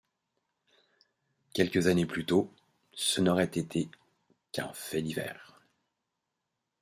Quelques années plus tôt, ce n'aurait été qu'un fait divers.